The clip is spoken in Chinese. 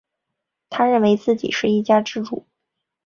他认为自己是一家之主